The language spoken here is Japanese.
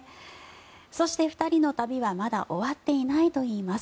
そして、２人の旅はまだ終わっていないといいます。